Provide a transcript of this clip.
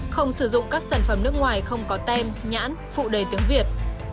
không sử dụng các sản phẩm nước ngoài không có tem nhãn phụ đầy tiếng việt